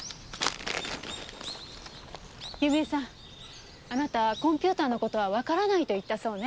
弓枝さんあなたコンピューターの事はわからないと言ったそうね。